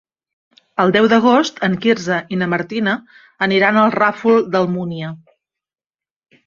El deu d'agost en Quirze i na Martina aniran al Ràfol d'Almúnia.